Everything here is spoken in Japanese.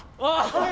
はい！